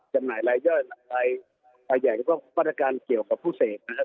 จำหน่ายหลายย่อยหลายอย่างก็บรรยาการเกี่ยวกับผู้เสกนะครับ